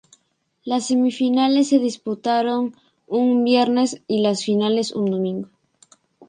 Las semifinales se disputaron un viernes y las finales un domingo.